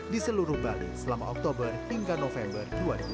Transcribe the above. di seluruh bali selama oktober hingga november dua ribu dua puluh